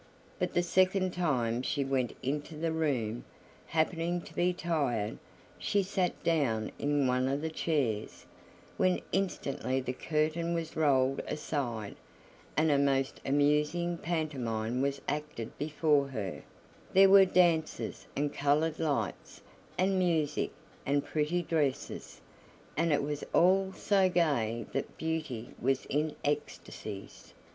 But the second time she went into the room, happening to be tired, she sat down in one of the chairs, when instantly the curtain was rolled aside, and a most amusing pantomime was acted before her; there were dances, and colored lights, and music, and pretty dresses, and it was all so gay that Beauty was in ecstacies.